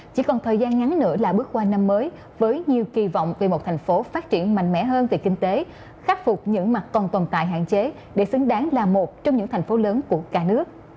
chỉ còn thời gian ngắn nữa là bước qua năm mới với nhiều kỳ vọng về một thành phố phát triển mạnh mẽ hơn về kinh tế khắc phục những mặt còn tồn tại hạn chế để xứng đáng là một trong những thành phố lớn của cả nước